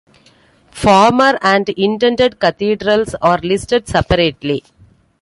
Former and intended cathedrals are listed separately.